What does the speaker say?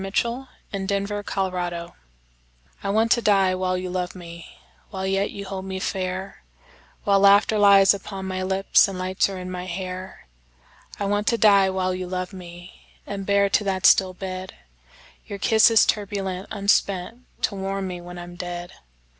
I Want to Die While You Love Me I WANT to die while you love me, While yet you hold me fair, While laughter lies upon my lipsAnd lights are in my hair.I want to die while you love me, And bear to that still bed, Your kisses turbulent, unspentTo warm me when I'm dead.